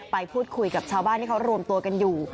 ไปพูดคุยกับชาวบ้านที่เขารวมตัวกันอยู่